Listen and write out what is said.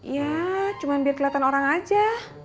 ya cuma biar kelihatan orang aja